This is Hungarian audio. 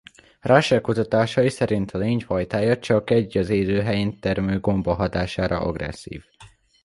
Rachel kutatásai szerint a lény fajtája csak egy az élőhelyén termő gomba hatására agresszív.